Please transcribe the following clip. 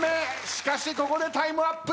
しかしここでタイムアップ。